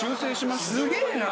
すげえな！